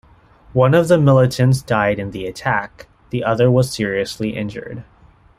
One of the militants died in the attack, the other was seriously injured.